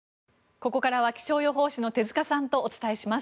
ここからは気象予報士の手塚さんとお伝えします。